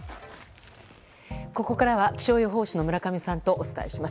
ここからは気象予報士の村上さんとお伝えします。